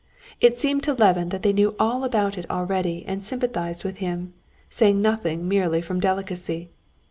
It seemed to Levin that they knew all about it already and sympathized with him, saying nothing merely from delicacy.